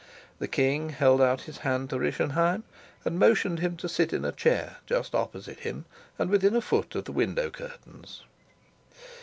The king held out his hand to Rischenheim, and motioned him to sit in a chair just opposite to him and within a foot of the window curtains.